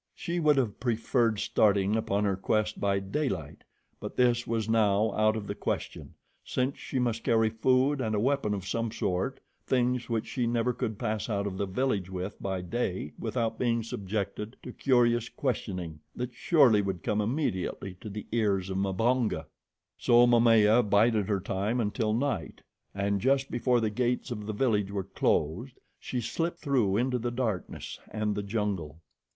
She would have preferred starting upon her quest by day light, but this was now out of the question, since she must carry food and a weapon of some sort things which she never could pass out of the village with by day without being subjected to curious questioning that surely would come immediately to the ears of Mbonga. So Momaya bided her time until night, and just before the gates of the village were closed, she slipped through into the darkness and the jungle.